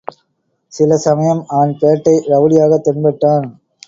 சில சமயம் அவன் பேட்டை ரவுடியாகத் தென்பட்டான்.